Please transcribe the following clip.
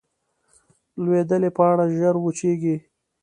لوېدلې پاڼه ژر وچېږي